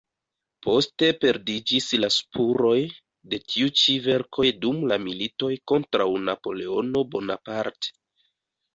Poste perdiĝis la spuroj de tiu ĉi verkoj dum la militoj kontraŭ Napoleono Bonaparte.